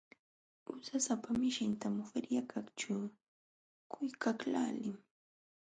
Usasapa mishitam feriakaqćhu quykaqlaaliman.